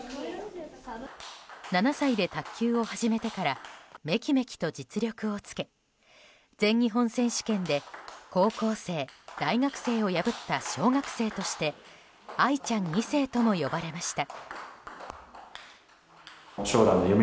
７歳で卓球を始めてからめきめきと実力をつけ全日本選手権で高校生、大学生を破った小学生として愛ちゃん２世とも呼ばれました。